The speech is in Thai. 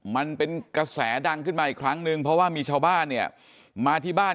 มันเป็นกระแสดังขึ้นมาอีกครั้งนึงเพราะว่ามีชาวบ้านเนี่ยมาที่บ้าน